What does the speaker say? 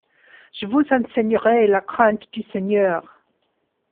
Je vous enseignerai la crainte du Seigneur!